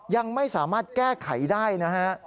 ยังไม่สามารถแก้ไขได้นะฮะ